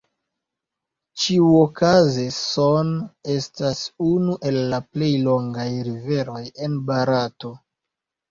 Ĉiuokaze Son estas unu el la plej longaj riveroj en Barato.